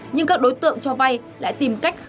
nhưng các đối tượng cho vay lại tìm cách khó khăn